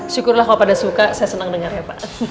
syukurlah kalau pada suka saya senang dengarnya pak